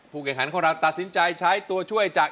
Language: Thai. แข่งขันของเราตัดสินใจใช้ตัวช่วยจาก